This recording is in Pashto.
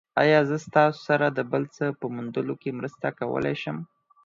ایا زه تاسو سره د بل څه په موندلو کې مرسته کولی شم؟